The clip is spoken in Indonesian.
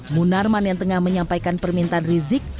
munarman yang tengah menyampaikan permintaan rizik